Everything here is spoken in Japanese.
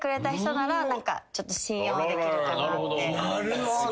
なるほど。